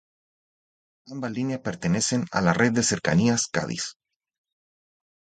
Ambas líneas pertenecen a la red de Cercanías Cádiz.